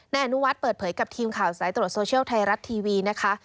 นายอนุวัฒน์เปิดเผยกับทีมข่าวสายตรวจโซเชียลไทยรัฐทีวีนะคะ